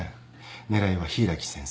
狙いは柊木先生